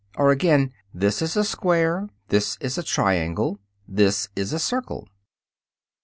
Or, again, "This is a square." "This is a triangle." "This is a circle."